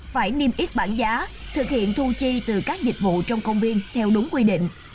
phải niêm yết bản giá thực hiện thu chi từ các dịch vụ trong công viên theo đúng quy định